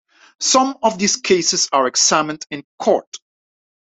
Some of these cases are examined in court.